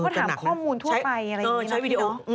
บางทีเขาถามข้อมูลทั่วไปใช้วีดีโอ